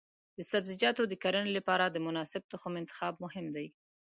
د سبزیجاتو د کرنې لپاره د مناسب تخم انتخاب مهم دی.